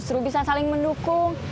enggak justru bisa saling mendukung